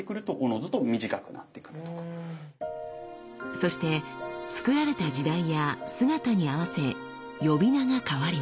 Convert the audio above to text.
そしてつくられた時代や姿に合わせ呼び名が変わります。